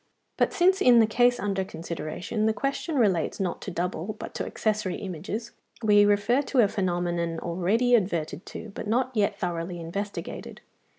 But since in the case under consideration (227) the question relates not to double but to accessory images, we refer to a phenomenon already adverted to, but not yet thoroughly investigated.